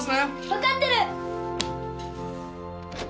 わかってる！